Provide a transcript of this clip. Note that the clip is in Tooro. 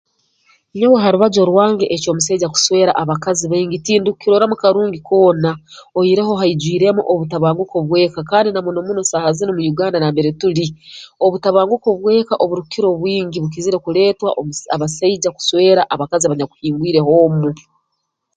Nyowe harubaju orwange eky'omusaija okuswera abakazi baingi tindukukiroramu karungi koona oihireho haijwiremu obutabanguko bw'eka kandi na muno muno saaha zinu mu Uganda nambere tuli obutabanguko bw'eka oburukira obwingi bukizire kuleetwa omu abasaija kuswera abakazi abanyakuhingwire h'omu